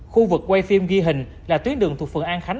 khu vực quay phim ghi hình là tuyến đường thuộc phường an khánh